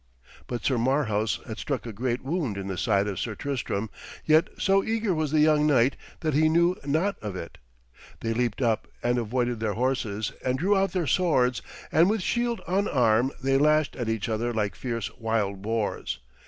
But Sir Marhaus had struck a great wound in the side of Sir Tristram, yet so eager was the young knight that he knew not of it. They leaped up and avoided their horses, and drew out their swords, and with shield on arm they lashed at each other like fierce wild boars.